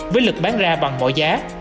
với lực bán ra bằng mọi giá